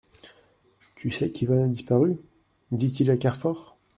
Tu sais qu'Yvonne a disparu ? dit-il à Carfor.